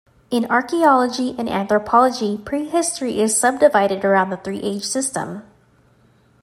In archaeology and anthropology, prehistory is subdivided around the three-age system.